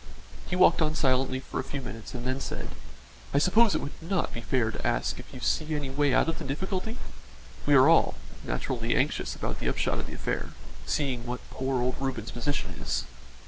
He walked on silently for a few minutes and then said: "I suppose it would not be fair to ask if you see any way out of the difficulty? We are all, naturally anxious about the upshot of the affair, seeing what poor old Reuben's position is."